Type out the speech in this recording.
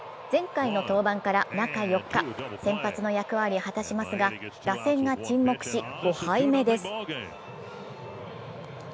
前回の登板から中４日、先発の役割を果たしますが、打線が沈黙し、５敗目です。